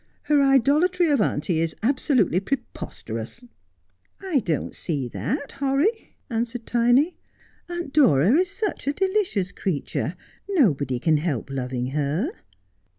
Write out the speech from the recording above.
Her idolatry of auntie is abso lutely preposterous.' ' I don't see that, Horry,' answered Tiny ; 'Aunt Dora is such a delicious creature. Nobody can help loving her.'